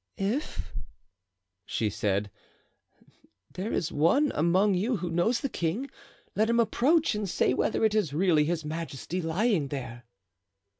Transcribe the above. "If," she said, "there is one among you who knows the king, let him approach and say whether it is really his majesty lying there."